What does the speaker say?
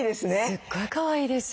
すごいかわいいです。